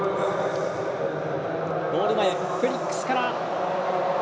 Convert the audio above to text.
ゴール前フェリックスから。